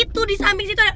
itu di samping situ ada